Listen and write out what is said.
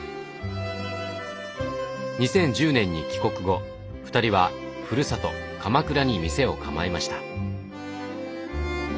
２０１０年に帰国後２人はふるさと鎌倉に店を構えました。